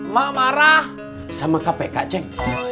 ma marah sama kpk cek